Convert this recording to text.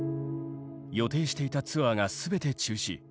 予定していたツアーがすべて中止。